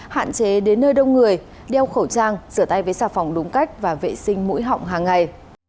hạn chế đến nơi đông người đeo khẩu trang rửa tay với xà phòng đúng cách và vệ sinh mũi họng hàng ngày